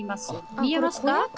見えますか？